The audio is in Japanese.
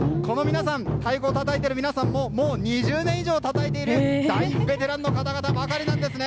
太鼓をたたいている皆さんももう２０年以上たたいている大ベテランの方々ばかりなんです。